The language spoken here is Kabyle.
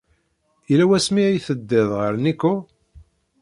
Yella wasmi ay teddiḍ ɣer Nikko?